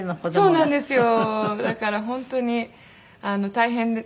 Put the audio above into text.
そうなんですよ。